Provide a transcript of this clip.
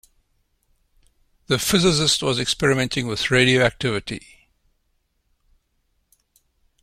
The physicist was experimenting with radioactivity.